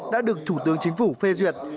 đã được thủ tướng chính phủ phê duyệt